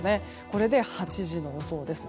これで８時の予想です。